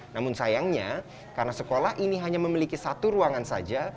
namun sayangnya karena sekolah ini hanya memiliki satu ruangan saja